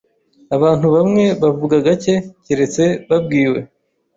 Abantu bamwe bavuga gake keretse babwiwe.